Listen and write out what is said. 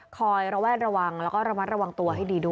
ระแวดระวังแล้วก็ระมัดระวังตัวให้ดีด้วย